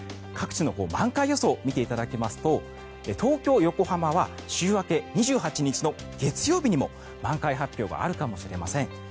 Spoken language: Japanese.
各地の満開予想を見ていただきますと東京、横浜は週明け、２８日の月曜日にも満開発表があるかもしれません。